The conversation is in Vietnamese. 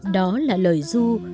đó là lời du